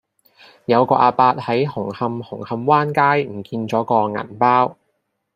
有個亞伯喺紅磡紅磡灣街唔見左個銀包